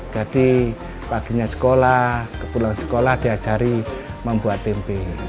jadi paginya sekolah pulau sekolah diajari membuat tempe